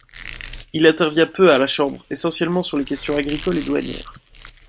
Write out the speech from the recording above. Il intervient peu à la Chambre, essentiellement sur les questions agricoles et douanières.